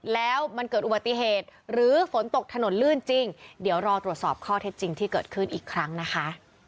แล้วมันเกิดอุบัติเหตุหรือฝนตกถนนลื่นจริงเดี๋ยวรอตรวจสอบข้อเท็จจริงที่เกิดขึ้นอีกครั้งนะคะ